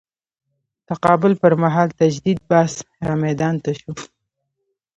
تقابل پر مهال تجدید بحث رامیدان ته شو.